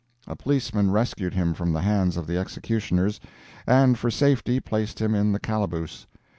A Policeman rescued him from the hands of the executioners, and for safety placed him in the calaboose.